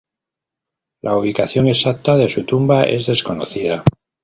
La ubicación exacta de su tumba es desconocida.